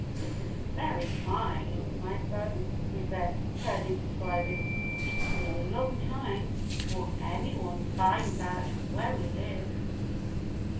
"This is very fine, my son," he said, turning to Slyboots. "It'll be a long time before anyone finds out where we live."